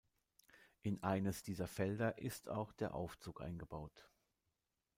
In eines dieser Felder ist auch der Aufzug eingebaut.